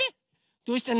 どうしたの？